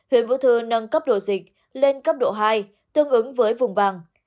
huyện vũ thư nâng cấp độ dịch lên cấp độ hai tương ứng với vùng vàng